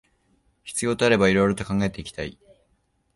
必要とあれば色々と考えていきたい